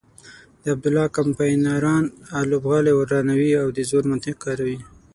د عبدالله کمپاینران لوبغالی ورانوي او د زور منطق کاروي.